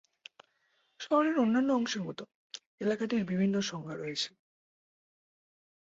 শহরের অন্যান্য অংশের মতো, এলাকাটির বিভিন্ন সংজ্ঞা রয়েছে।